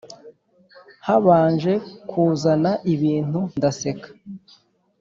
habanje kuzana ibintu ndaseka